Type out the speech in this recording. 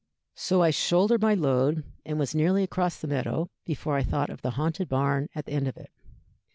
"So I shouldered my load, and was nearly across the meadow before I thought of the haunted barn at the end of it.